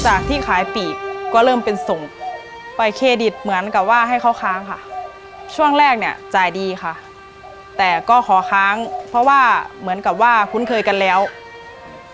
ที่ขายปีกก็เริ่มเป็นส่งไปเครดิตเหมือนกับว่าให้เขาค้างค่ะช่วงแรกเนี่ยจ่ายดีค่ะแต่ก็ขอค้างเพราะว่าเหมือนกับว่าคุ้นเคยกันแล้ว